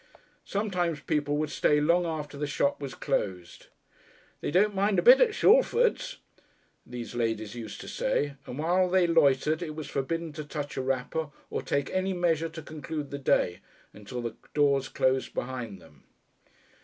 Sometimes people would stay long after the shop was closed "They don't mind a bit at Shalford's," these ladies used to say it is always ladies do this sort of thing and while they loitered it was forbidden to touch a wrapper, or take any measures to conclude the day until the doors closed behind them.